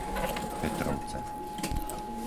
Petrovce